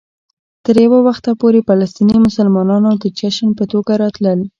تر یو وخته پورې فلسطيني مسلمانانو د جشن په توګه راتلل.